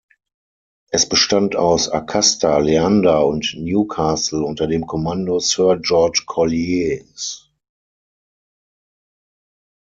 Es bestand aus "Acasta", "Leander" und "Newcastle" unter dem Kommando Sir George Colliers.